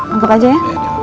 anggap aja ya